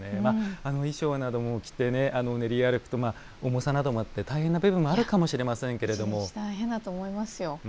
あの衣装なども着て練り歩くと重さなどもあって大変な部分もあるかもしれませんけれども大変だと思いますよ。